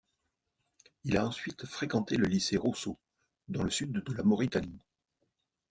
Il a ensuite fréquenté le lycée Rosso, dans le sud de la Mauritanie.